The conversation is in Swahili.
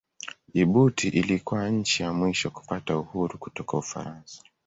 Jibuti ilikuwa nchi ya mwisho kupata uhuru kutoka Ufaransa.